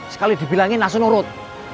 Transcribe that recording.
sekali dibilangin langsung nurut